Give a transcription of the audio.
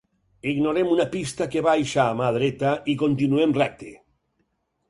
Ignorem una pista que baixa a mà dreta i continuem recte.